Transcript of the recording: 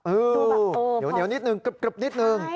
อื้อเนี๊ยวนิดหนึ่งกรึบนิดหนึ่ง